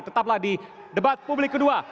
tetaplah di debat publik kedua